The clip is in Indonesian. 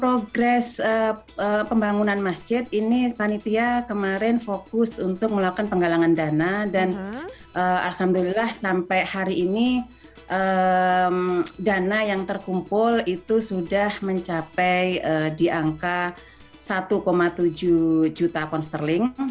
progres pembangunan masjid ini panitia kemarin fokus untuk melakukan penggalangan dana dan alhamdulillah sampai hari ini dana yang terkumpul itu sudah mencapai di angka satu tujuh juta pound sterling